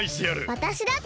わたしだって！